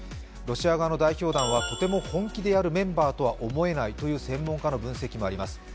ロシア側の代表団はとても本気でやるメンバーとは思えないという専門家の分析もあります。